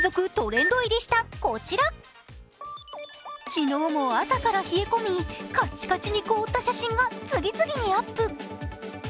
昨日も朝から冷え込み、カッチカチに凍った写真が次々にアップ。